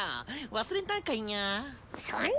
忘れたんかいな。